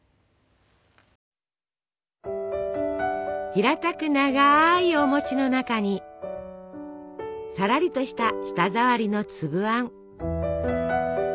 平たく長いおの中にさらりとした舌触りのつぶあん。